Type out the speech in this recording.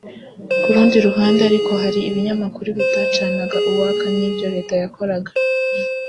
Ku rundi ruhande ariko hari ibinyamakuru bitacanaga uwaka n’ibyo Leta yakoraga